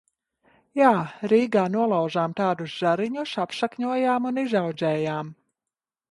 Jā, Rīgā nolauzām tādus zariņus, apsakņojām un izaudzējām.